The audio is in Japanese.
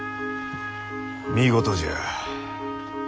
見事じゃ。